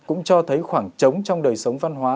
cũng cho thấy khoảng trống trong đời sống văn hóa